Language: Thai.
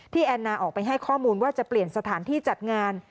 แอนนาออกไปให้ข้อมูลว่าจะเปลี่ยนสถานที่จัดงาน